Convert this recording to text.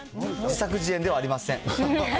自作自演ではありません。